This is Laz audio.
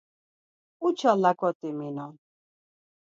Uça laǩot̆i minon.